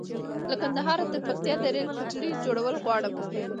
له کندهاره تر پکتيا د ريل پټلۍ جوړول غواړم